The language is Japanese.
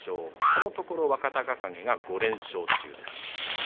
このところ若隆景が５連勝中です。